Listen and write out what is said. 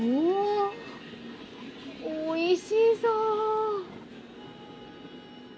おいしそう。